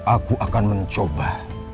aku akan mencoba